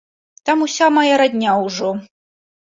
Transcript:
Там уся мая радня ўжо.